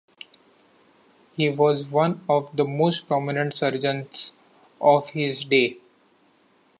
He was one of the most prominent surgeons of his day.